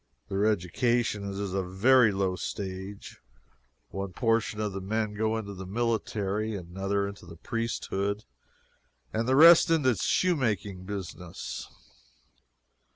Their education is at a very low stage. One portion of the men go into the military, another into the priesthood, and the rest into the shoe making business.